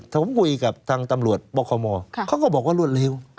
ผมคุยกับทางตำรวจปคมเขาก็บอกว่ารวดเร็ว